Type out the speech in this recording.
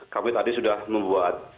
kami tadi sudah membuat